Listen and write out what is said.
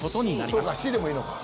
そうか「し」でもいいのか。